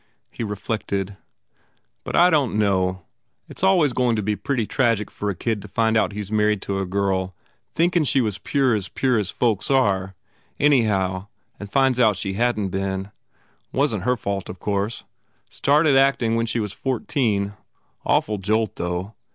He re flected, "But I don t know. It s always going to be pretty tragic for a kid to find out he s married a girl thinkin she was pure as pure as folks are, anyhow and finds she hadn t been. Wasn t her fault, of course. Started acting when she was fourteen. Awful jolt, though.